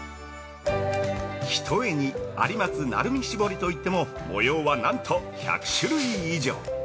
◆ひとえに有松・鳴海絞りといっても模様はなんと１００種類以上！